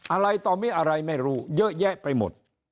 อะไรต่อมีอะไรไม่รู้เยอะแยะไปหมด